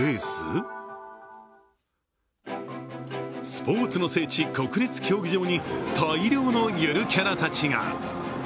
スポーツの聖地・国立競技場に大量のゆるキャラたちが。